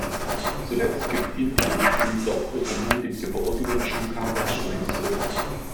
Zuletzt gibt Indy den Dorfbewohnern den geborgenen Shankara-Stein zurück.